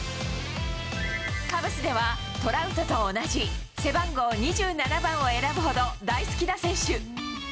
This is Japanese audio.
カブスではトラウトと同じ背番号２７番を選ぶほど、大好きな選手。